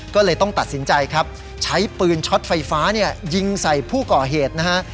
ก็เลยต้องตัดสินใจครับใช้ปืนช็อตไฟฟ้าเนี่ยยิงใส่ผู้ก่อเหตุนะฮะ